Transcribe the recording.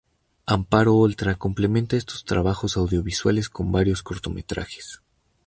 Amparo Oltra complementa estos trabajos audiovisuales con varios cortometrajes.